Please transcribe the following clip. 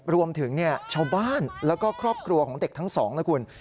รวมถึงชาวบ้านแล้วก็ครอบครัวของเด็กทั้งสองนะคุณ